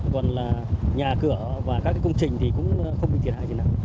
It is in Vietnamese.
còn là nhà cửa và các công trình thì cũng không bị thiệt hại gì nào